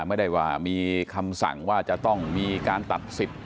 ไม่ได้ว่ามีคำสั่งว่าจะต้องมีการตัดสิทธิ์